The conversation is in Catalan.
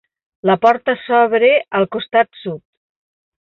La porta s'obre al costat sud.